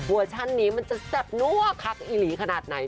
ชันนี้มันจะแซ่บนั่วคักอีหลีขนาดไหน